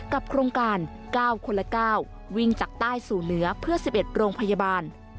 โครงการ๙คนละ๙วิ่งจากใต้สู่เหนือเพื่อ๑๑โรงพยาบาล